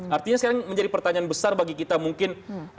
artinya sekarang menjadi pertanyaan besar bagi kita mungkin